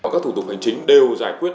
các thủ tục hành chính đều giải quyết